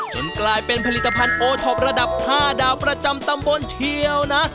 กลายเป็นผลิตภัณฑ์โอท็อประดับ๕ดาวประจำตำบลเชียวนะ